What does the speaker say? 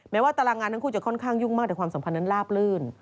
ว่าตารางงานทั้งคู่จะค่อนข้างยุ่งมากแต่ความสัมพันธ์นั้นลาบลื่น